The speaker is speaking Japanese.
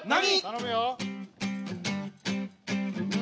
何！